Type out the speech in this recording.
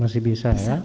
masih bisa ya